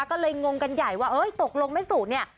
ก็เลยงงกันใหญ่ว่าตกลงแม่สูตรเนี่ย